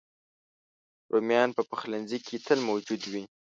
رومیان په پخلنځي کې تل موجود وي